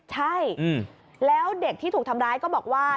ใช่แล้วเด็กที่ถูกทำร้ายก็บอกว่า